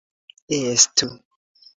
estu